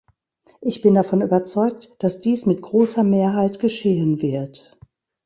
Ich bin davon überzeugt, dass dies mit großer Mehrheit geschehen wird.